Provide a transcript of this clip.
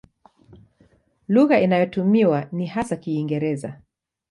Lugha inayotumiwa ni hasa Kiingereza.